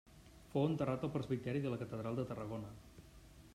Fou enterrat al presbiteri de la Catedral de Tarragona.